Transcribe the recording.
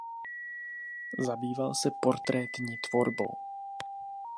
Zabýval se portrétní tvorbou.